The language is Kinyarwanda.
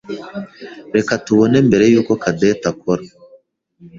Reka tubone mbere yuko Cadette akora.